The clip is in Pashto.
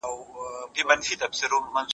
مشاورینو به نوي تړونونه لاسلیک کول.